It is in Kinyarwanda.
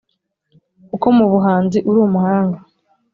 Kuko mu buhanzi uri umuhanga